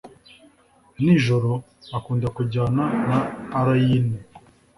nijoro akunda kujyana na allayne.